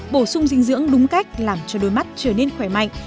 bổ sung dinh dưỡng đúng cách làm cho đôi mắt trở nên khỏe mạnh